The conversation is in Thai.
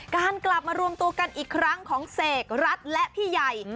การกลับมารวมตัวกันอีกครั้งของเสกรัฐและพี่ใหญ่